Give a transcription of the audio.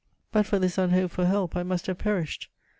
But for this unhoped for help, I must have perished.